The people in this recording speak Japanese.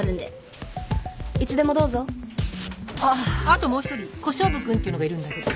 あともう１人小勝負君っていうのがいるんだけど。